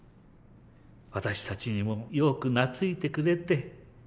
私たちにもよく懐いてくれて。